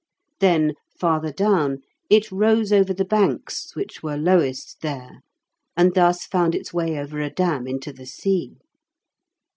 Then, farther down, it rose over the banks which were lowest there, and thus found its way over a dam into the sea.